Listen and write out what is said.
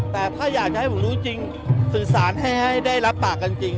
แต่ถ้าอยากจะให้ผมรู้จริงสื่อสารให้ได้รับปากกันจริง